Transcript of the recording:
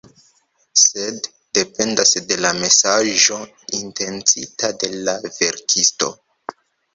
Sed dependas de la mesaĝo intencita de la verkisto.